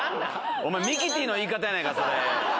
お前、ミキティの言い方やないか、それ。